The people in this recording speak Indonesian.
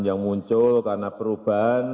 yang muncul karena perubahan